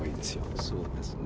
そうですね。